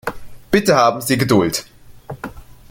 Bitte haben Sie Geduld.